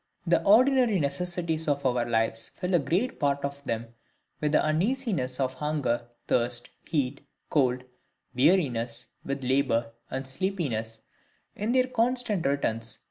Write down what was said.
The ordinary necessities of our lives fill a great part of them with the uneasinesses of hunger, thirst, heat, cold, weariness, with labour, and sleepiness, in their constant returns, &c.